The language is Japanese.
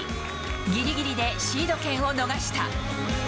ぎりぎりでシード権を逃した。